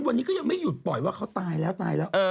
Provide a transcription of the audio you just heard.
วันนี้ก็ยังไม่หยุดปล่อยว่าเขาตายแล้วตายแล้ว